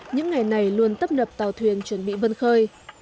những ngày này luôn tấp nập tàu thuyền chuẩn bị vân khơi